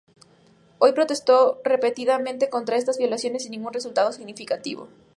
Hay protestó repetidamente contra estas violaciones sin ningún resultado significativo.